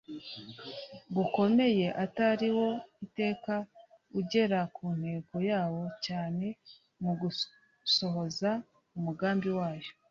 gukomeye atari wo iteka ugera ku ntego yawo cyane mu gusohoza umugambi wayo